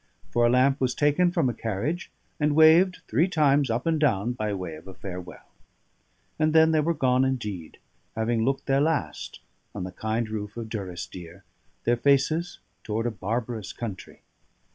For a lamp was taken from a carriage, and waved three times up and down by way of a farewell. And then they were gone indeed, having looked their last on the kind roof of Durrisdeer, their faces toward a barbarous country.